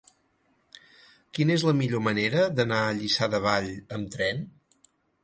Quina és la millor manera d'anar a Lliçà de Vall amb tren?